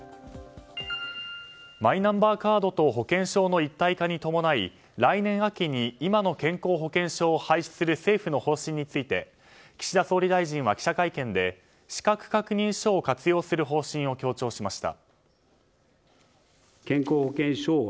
マイナンバーカードと保険証の一体化に伴い来年秋に今の健康保険証を廃止する政府の方針について岸田総理大臣は記者会見で資格確認書を活用する方針を強調しました。